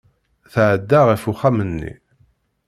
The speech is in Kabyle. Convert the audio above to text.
Tɛedda ɣef uxxam-nni.